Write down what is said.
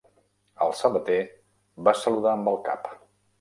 El sabater va saludar amb el cap.